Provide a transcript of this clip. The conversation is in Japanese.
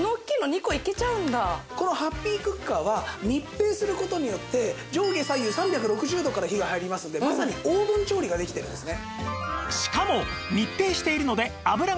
このハッピークッカーは密閉する事によって上下左右３６０度から火が入りますのでまさにオーブン調理ができてるんですね。